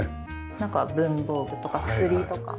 なんか文房具とか薬とか。